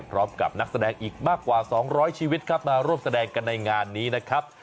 นักแสดงอีกมากกว่า๒๐๐ชีวิตครับมาร่วมแสดงกันในงานนี้นะครับ